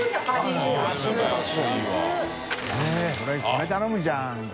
これ頼むじゃん。